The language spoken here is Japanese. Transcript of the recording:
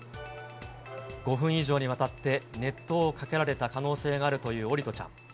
５分以上にわたって熱湯をかけられた可能性があるという桜利斗ちゃん。